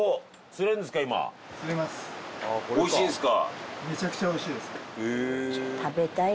おいしいですか？